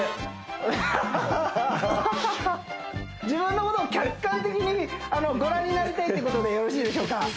自分のことを客観的にご覧になりたいってことでよろしいでしょうか？